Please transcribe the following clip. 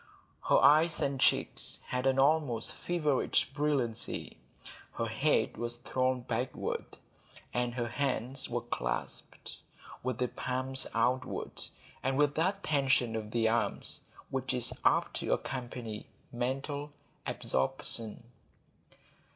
Her eyes and cheeks had an almost feverish brilliancy; her head was thrown backward, and her hands were clasped with the palms outward, and with that tension of the arms which is apt to accompany mental absorption.